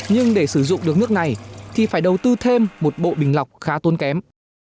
nhưng để sử dụng được nước này thì phải đầu tư thêm một bộ bình lọc khá tốn kém